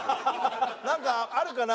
なんかあるかな？